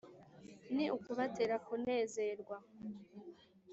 ni ukubatera kunezerwa